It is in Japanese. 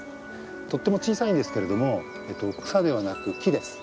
とっても小さいんですけれども草ではなく木です。